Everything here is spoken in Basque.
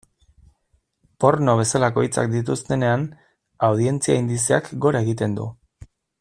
Porno bezalako hitzak dituztenean, audientzia indizeak gora egiten du.